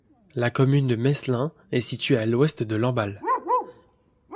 La commune de Meslin est située à l'ouest de Lamballe.